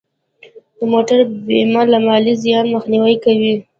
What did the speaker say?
د موټر بیمه د مالي زیان مخنیوی کوي.